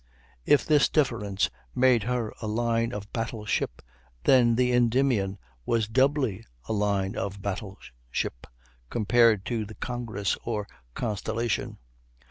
If this difference made her a line of battle ship, then the Endymion was doubly a line of battle ship compared to the Congress or Constellation.